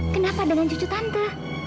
kenapa dengan cucu tante